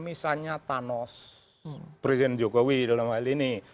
misalnya thanos presiden jokowi dalam hal ini